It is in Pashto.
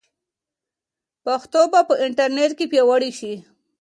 پښتو به په انټرنیټ کې پیاوړې شي.